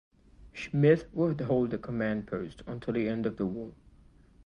Schmidt would hold the command post until the end of the war.